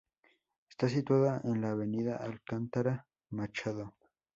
Está situada en la Avenida Alcântara Machado.